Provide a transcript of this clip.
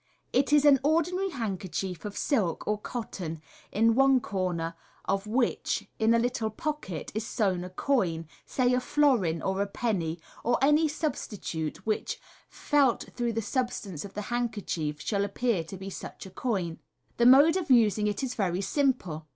It is an ordinary handkerchief of silk or cotton, in one corner of which, in a little pocket, is sewn a coin, say a florin or a penny, or any substitute which, felt through the sub stance of the handkerchief, shall appear to be such a coin. The mode of using it is very simple.